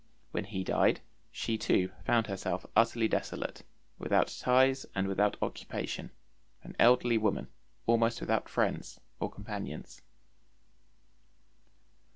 When he died, she too found herself utterly desolate, without ties and without occupation, an elderly woman almost without friends or companions.